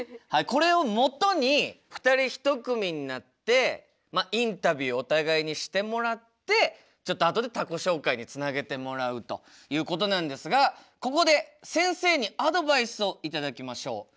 これをもとに２人一組になってインタビューお互いにしてもらってちょっとあとで他己紹介につなげてもらうということなんですがここで先生にアドバイスを頂きましょう。